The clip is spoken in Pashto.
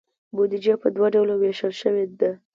بودیجه په دوه ډوله ویشل شوې ده.